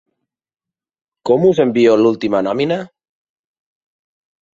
Com us envio l'última nòmina?